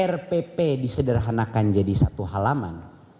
rpp disederhanakan jadi satu halaman